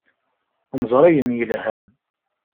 Neẓra ayen yelhan.